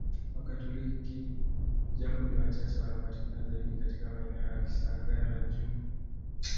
Wakatoliki japo ni wachache wanapatikana zaidi katika maeneo ya Kisangara juu